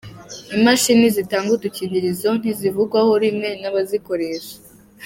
Imashini zitanga udukingirizo ntizivugwaho rumwe n’abazikoresha